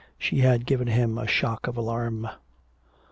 She had given him a shock of alarm.